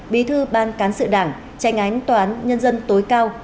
bí thư ban cán sự đảng tranh án toán nhân dân tối cao